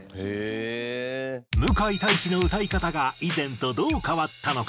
向井太一の歌い方が以前とどう変わったのか？